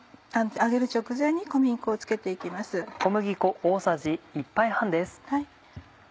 揚げる直前に小麦粉を付けて行きます。